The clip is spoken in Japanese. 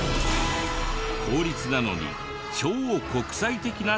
公立なのに超国際的な小学校が。